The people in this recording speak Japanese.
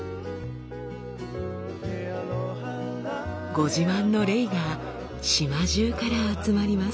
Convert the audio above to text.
ご自慢のレイが島じゅうから集まります。